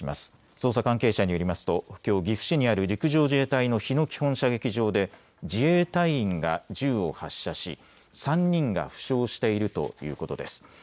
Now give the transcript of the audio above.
捜査関係者によりますときょう岐阜市にある陸上自衛隊の日野基本射撃場で自衛隊員が銃を発射し３人が負傷しているということです。